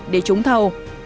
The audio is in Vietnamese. để chống thầu